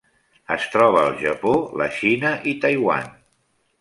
Es troba al Japó, la Xina i Taiwan.